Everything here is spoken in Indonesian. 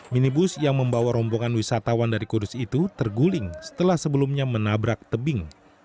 minibus yang membawa rombongan wisatawan dari kudus itu terguling setelah sebelumnya menabrak tebing